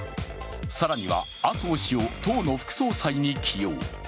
更には麻生氏を党の副総裁に起用。